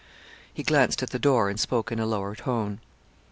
He glanced at the door, and spoke in a lower tone.